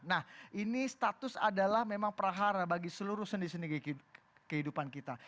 nah ini status adalah memang perahara bagi seluruh sendi sendi kehidupan kita